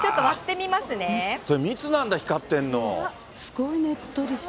それ、蜜なんだ、すごいねっとりしてる。